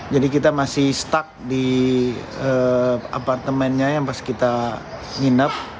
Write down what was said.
jadi kita masih stuck di apartemennya yang pas kita nginep